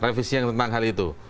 revisi yang tentang hal itu